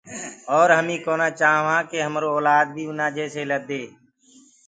اَور همين ڪونآ چآهوآن ڪي همرو اولآد بيٚ اُنآن جيسيئيٚ لدي۔